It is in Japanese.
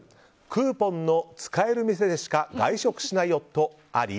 クーポンの使える店でしか外食しない夫あり？